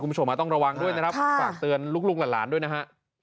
คุณผู้ชมต้องระวังด้วยนะครับฝากเตือนลูกหลานด้วยนะฮะ